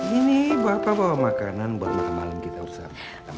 ini bapak bawa makanan buat makan malam kita usap